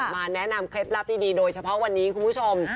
มาแนะนำเคล็ดลับที่ดีโดยเฉพาะวันนี้คุณผู้ชม